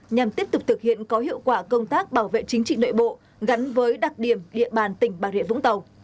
nhằm tiếp tục thực hiện có hiệu quả công tác bảo vệ chính trị nội bộ gắn với đặc điểm địa bàn tỉnh bà rịa vũng tàu